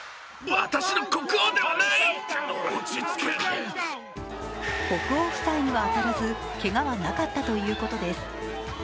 国王夫妻には当たらずけがはなかったということです。